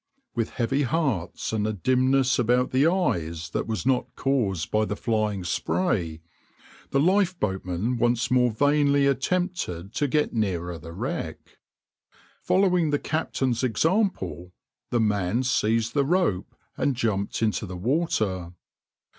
With heavy hearts, and a dimness about the eyes that was not caused by the flying spray, the lifeboatmen once more vainly attempted to get nearer the wreck. Following the captain's example, the man seized the rope and jumped into the water.